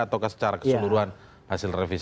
ataukah secara keseluruhan hasil revisi